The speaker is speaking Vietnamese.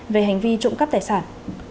về hành vi trộm cắp tài sản